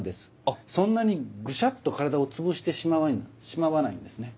そんなにぐしゃっと体を潰してしまわないんですね。